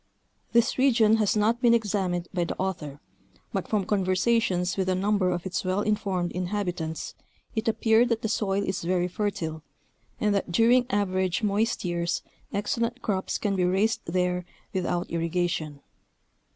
This region has not been examined by the author, but from conversations with a number of its well informed inhab The Irrigation Problem mm Montana. 229 itants it appear that the soil is very fertile, and that during 'average moist years excellent crops can be raised there without irrigation.